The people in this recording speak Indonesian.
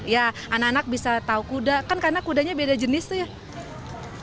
ya anak anak bisa tahu kuda kan karena kudanya beda jenis tuh ya